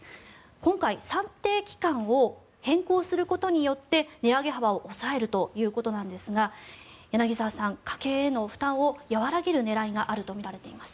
今回、算定期間を変更することによって値上げ幅を抑えるということなんですが、柳澤さん家計への負担を和らげる狙いがあるとみられています。